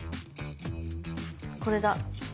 これだ。